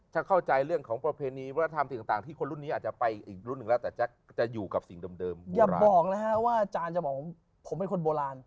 ถ้าเข้าใจเรื่องของประเพณีวัฒนธรรมสิ่งต่างที่คนรุ่นนี้อาจจะไปอีกรุ่นหนึ่งแล้วแต่แจ๊คจะอยู่กับสิ่งเดิมอย่าบอกนะฮะว่าอาจารย์จะบอกผมผมเป็นคนโบราณ